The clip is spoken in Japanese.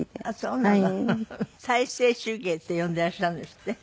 再生手芸って呼んでらっしゃるんですって？